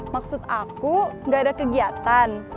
maksud aku gak ada kegiatan